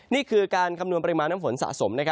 นี่คือการคำนวณปริมาณน้ำฝนสะสม